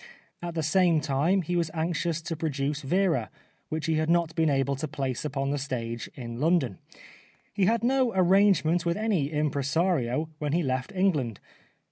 At the same time he was anxious to produce " Vera," which he had not 189 The Life of Oscar Wilde been able to place upon the stage in London. He had no arrangement with any impresario when he left England.